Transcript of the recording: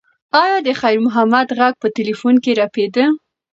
ایا د خیر محمد غږ په تلیفون کې رپېده؟